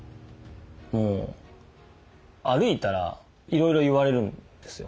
もう歩いたらいろいろ言われるんですよ